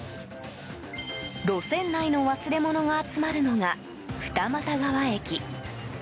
路線内の忘れ物が集まるのが二俣川駅。